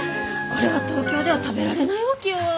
これは東京では食べられないわけよ！